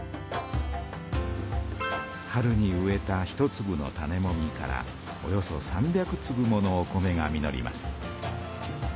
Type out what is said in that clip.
春に植えた１つぶの種もみからおよそ３００つぶものお米が実ります。